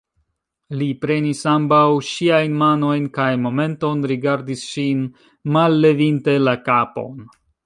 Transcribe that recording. Li prenis ambaŭ ŝiajn manojn kaj momenton rigardis ŝin, mallevinte la kapon